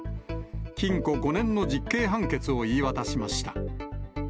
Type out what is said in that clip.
禁錮５年の実刑判決を言い渡しました。